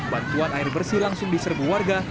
bantuan air bersih langsung diserbu warga